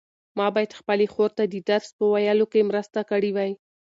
ما باید خپلې خور ته د درس په ویلو کې مرسته کړې وای.